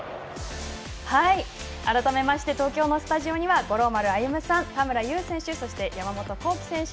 改めて東京のスタジオには五郎丸歩さん田村優選手、そして山本幸輝選手